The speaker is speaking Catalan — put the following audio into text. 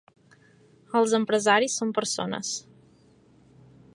Els empresaris són persones.